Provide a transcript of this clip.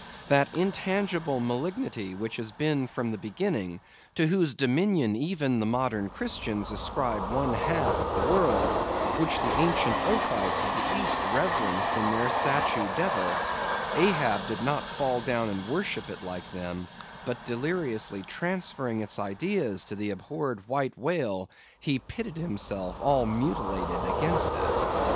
That intangible malignity which has been from the beginning; to whose dominion even the modern Christians ascribe one half of the worlds; which the ancient Ophites of the east reverenced in their statue devil;—Ahab did not fall down and worship it like them; but deliriously transferring its idea to the abhorred white whale, he pitted himself, all mutilated, against it.